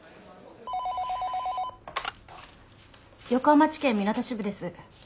横浜地検みなと支部です。